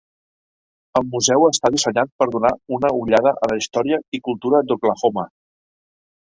El museu està dissenyat per donar una ullada a la història i cultura d'Oklahoma.